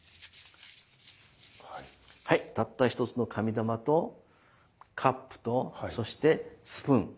はいたった一つの紙玉とカップとそしてスプーン。